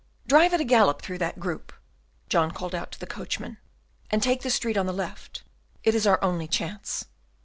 "Drive at a gallop through that group," John called out to the coachman, "and take the street on the left; it is our only chance."